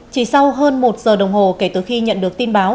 chỉ sau hơn một giờ đồng hồ kể từ khi nhận được tin báo